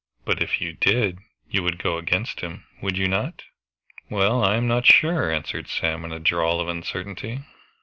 But if you did, you would go against him, would not you?" "Well, I am not sure," answered Sam in a drawl of uncertainty.